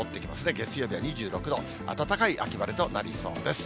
月曜日は２６度、暖かい秋晴れとなりそうです。